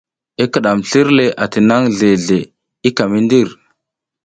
I kiɗam slir le atinangʼha zle zle i ka mi ndir.